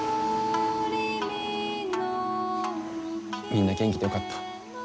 みんな元気でよかった。